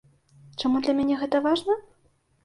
Чаму для мяне гэта важна?